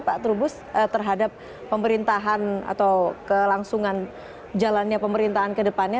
pak trubus terhadap pemerintahan atau kelangsungan jalannya pemerintahan ke depannya